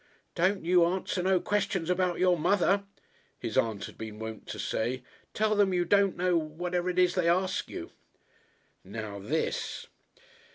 "Don't you answer no questions about your mother," his aunt had been wont to say. "Tell them you don't know, whatever it is they ask you." "Now this